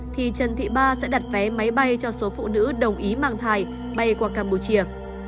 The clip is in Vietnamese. thì trần thị ba sẽ đặt vé máy bay cho số phụ nữ đồng ý mang thai bay qua campuchia